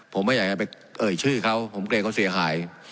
ผมไม่อยากจะไปเอ่ยชื่อเขาผมเกรงเขาเสียหาย